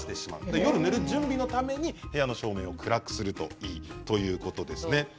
夜、寝る前のために部屋の照明を暗くするということです。